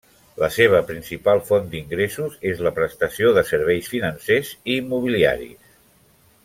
La seva principal font d'ingressos és la prestació de serveis financers i immobiliaris.